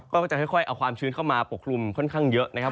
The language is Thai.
ก็จะค่อยเอาความชื้นเข้ามาปกคลุมค่อนข้างเยอะนะครับ